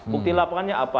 bukti lapangannya apa